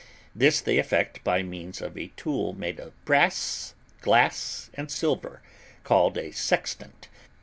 This they effect by means of a tool made of brass, glass, and silver, called a sextant.